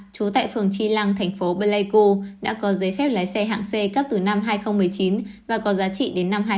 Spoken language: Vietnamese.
chú tại phường chi lăng thành phố pleiku đã có giấy phép lái xe hạng c cấp từ năm hai nghìn một mươi chín và có giá trị đến năm hai nghìn hai mươi bốn